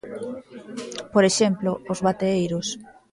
Por exemplo, os bateeiros.